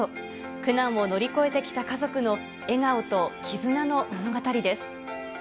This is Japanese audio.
苦難を乗り越えてきた家族の、笑顔と絆の物語です。